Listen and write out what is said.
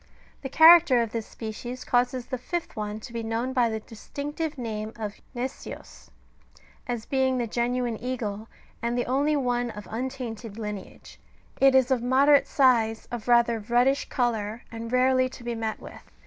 The character of this species causes the fifth one to be known by the distinctive name of " gnesios,"^* as being the genuine eagle, and the only one of untainted lineage ; it is of moderate size, of rather reddish colour, and rarely to be met with.